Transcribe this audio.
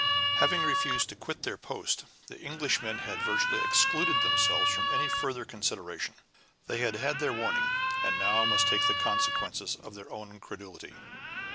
Having refused to quit their post, the Englishmen had virtually excluded themselves from any further consideration; they had had their warning, and must now take the consequences of their own incredulity.